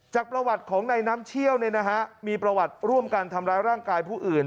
จากประวัติของนายน้ำเชี่ยวมีประวัติร่วมกันทำร้ายร่างกายผู้อื่น